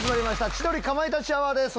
『千鳥かまいたちアワー』です。